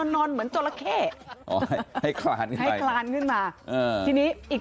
นอนเหมือนจราเข้อ๋อให้คลานไงให้คลานขึ้นมาทีนี้อีก